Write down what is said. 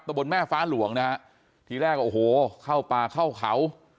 บนแม่ฟ้าหลวงนะฮะทีแรกก็โอ้โหเข้าป่าเข้าเขา